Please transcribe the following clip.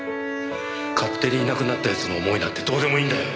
勝手にいなくなった奴の思いなんてどうでもいいんだよ！